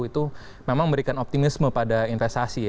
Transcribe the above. itu memang memberikan optimisme pada investasi